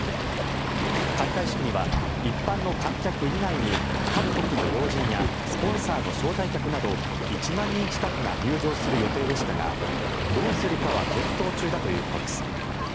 開会式には一般の観客以外に各国の要人やスポンサーの招待客など１万人近くが入場する予定でしたがどうするかは検討中だということです。